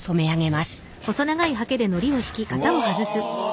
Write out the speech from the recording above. うわ！